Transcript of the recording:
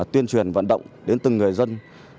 tuyên truyền vận động đến từng người dân